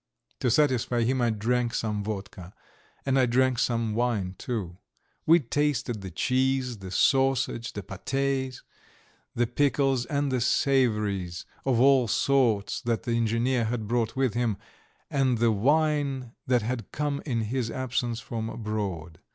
To satisfy him I drank some vodka and I drank some wine, too. We tasted the cheese, the sausage, the pâtés, the pickles, and the savouries of all sorts that the engineer had brought with him, and the wine that had come in his absence from abroad.